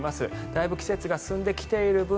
だいぶ季節が進んできている分